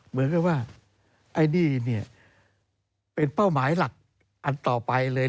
เหมือนกับว่าไอ้นี่เป็นเป้าหมายหลักอันต่อไปเลย